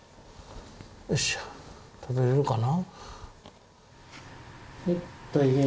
よいしょ食べれるかな？